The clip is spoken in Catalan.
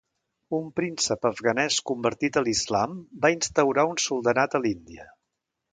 Un príncep afganès convertit a l'islam va instaurar un soldanat a l'Índia.